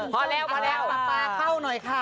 พอแล้วพอแล้วปลาปลาเข้าหน่อยค่ะ